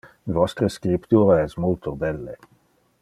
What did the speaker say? Vostre scriptura es multo belle.